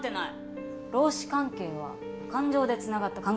労使関係は感情でつながった関係なんかじゃない。